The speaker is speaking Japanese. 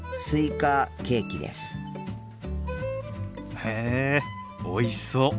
へえおいしそう。